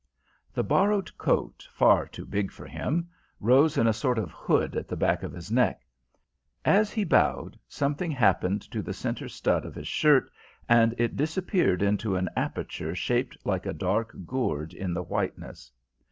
The borrowed coat, far too big for him, rose in a sort of hood at the back of his neck; as he bowed something happened to the centre stud of his shirt, and it disappeared into an aperture shaped like a dark gourd in the whiteness.